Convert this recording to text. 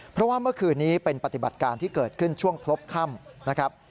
เพราะว่าเมื่อคืนนี้เป็นปฏิบัติการที่เกิดขึ้นช่วงพบค่ำนะครับ